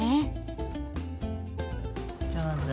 上手。